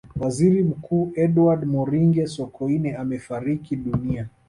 waziri mkuu edward moringe sokoine amefariki dunia